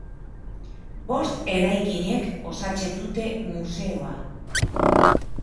Bost eraikinek osatzen dute museoa.